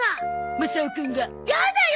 マサオくんが。やだよ！